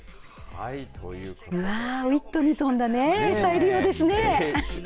ウィットに富んだ再利用ですね。